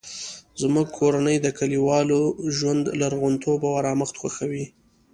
زموږ کورنۍ د کلیوالي ژوند لرغونتوب او ارامښت خوښوي